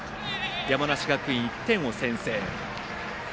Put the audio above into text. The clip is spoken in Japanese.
山梨学院、１点を先制。